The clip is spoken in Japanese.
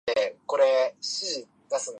どうもありがとう